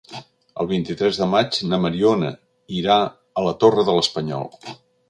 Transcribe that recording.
El vint-i-tres de maig na Mariona irà a la Torre de l'Espanyol.